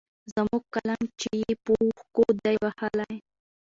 زموږ قلم چي يې په اوښکو دی وهلی